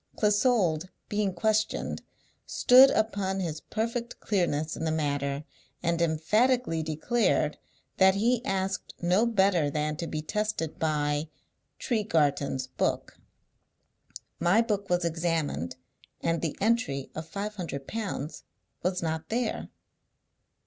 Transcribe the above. Clissold, being questioned, stood upon his perfect clearness in the matter, and emphatically declared that he asked no better than to be tested by 'Tregarthen's book.' My book was examined, and the entry of five hundred pounds was not there."